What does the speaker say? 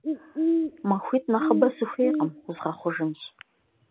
МахуитӀ нэхъыбэ сыхуейкъым, узгъэхъужынщ.